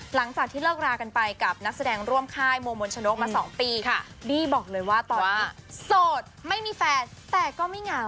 หลังจากที่เลิกรากันไปกับนักแสดงร่วมค่ายโมมนชนกมา๒ปีบี้บอกเลยว่าตอนนี้โสดไม่มีแฟนแต่ก็ไม่เหงา